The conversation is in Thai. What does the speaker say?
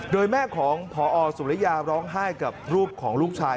โดยแม่ของพอสุริยาร้องไห้กับรูปของลูกชาย